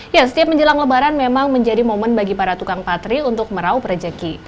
ya setiap menjelang lebaran memang menjadi momen bagi para tukang patri untuk merauh rejeki